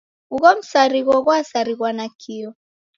Ugho msarigho ghwasarighwa nakio.